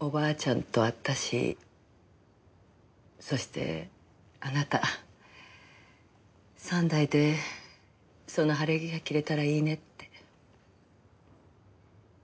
おばあちゃんと私そしてあなた三代でその晴れ着が着れたらいいねって。